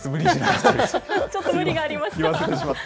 ちょっと無理がありました。